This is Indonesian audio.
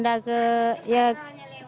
seharusnya kalau mau pindah ke